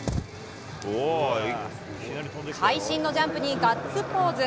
会心のジャンプにガッツポーズ。